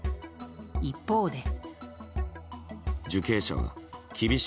一方で。